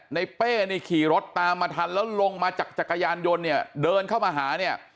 เป้นี่ขี่รถตามมาทันแล้วลงมาจากจักรยานยนต์เนี่ยเดินเข้ามาหาเนี่ย